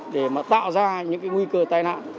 để mà tạo ra những cái nguy cơ tai nạn